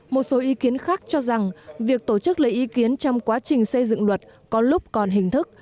một số ý kiến khác cho rằng việc tổ chức lấy ý kiến trong quá trình xây dựng luật có lúc còn hình thức